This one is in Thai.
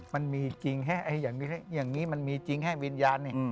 มันมีจริงแห้อย่างนี้มันมีจริงแห้วิญญาณ